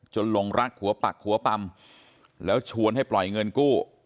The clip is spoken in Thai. ลงรักหัวปักหัวปำแล้วชวนให้ปล่อยเงินกู้